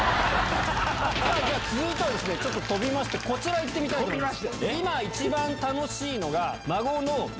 続いてはですね飛びましてこちら行ってみたいと思います。